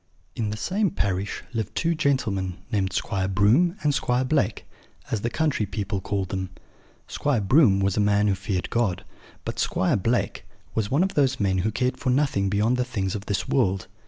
In the same parish lived two gentlemen, named Squire Broom and Squire Blake, as the country people called them. Squire Broom was a man who feared God; but Squire Blake was one of those men who cared for nothing beyond the things of this world.